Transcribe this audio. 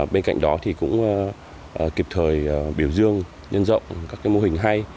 bên cạnh đó thì cũng kịp thời biểu dương nhân rộng các mô hình hay